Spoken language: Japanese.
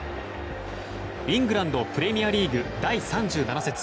イングランドプレミアリーグ第３７節。